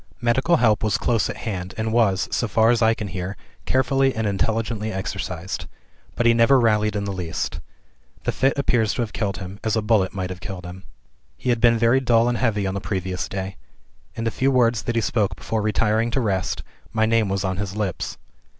"Medical help was close at hand, and was (so far as I can hear) carefully and intelligently exercised. But he never rallied in the least. The fit appears to have killed him, as a bullet might have killed him. "He had been very dull and heavy on the previous day. In the few words that he spoke before retiring to rest, my name was on his lips.